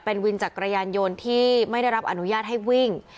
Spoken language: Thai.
เป็นวินจักรยานยนต์ที่ไม่ได้รับอนุญาตให้วิ่ง